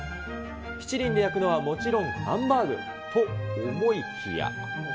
しちりんで焼くのはもちろん、ハンバーグと思いきや。